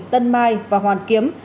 tân mai và hoàn kiếm